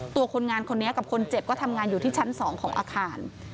คนงานคนนี้กับคนเจ็บก็ทำงานอยู่ที่ชั้น๒ของอาคาร